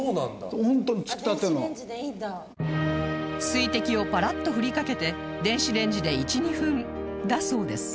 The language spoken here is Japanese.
水滴をパラッと振りかけて電子レンジで１２分だそうです